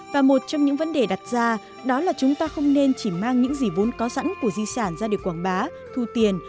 và một trong những vấn đề đặt ra đó là chúng ta không nên chỉ mang những gì vốn có sẵn của di sản ra để quảng bá thu tiền